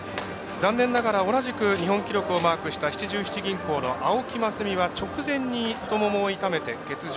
残念ながら、同じく日本記録をマークした七十七銀行の青木益未は直前に太ももを痛めて欠場。